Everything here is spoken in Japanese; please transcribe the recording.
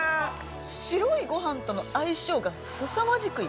白いご飯との相性がすさまじくいい。